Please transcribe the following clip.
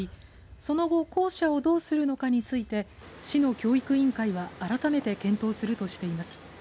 その後、校舎をどうするのかについて市の教育委員会は改めて検討するとしています。